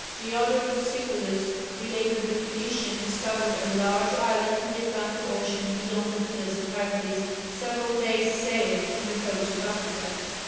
Diodorus Siculus relates that the Phoenicians discovered "a large island in the Atlantic Ocean beyond the Pillars of Hercules several days' sail from the coast of Africa."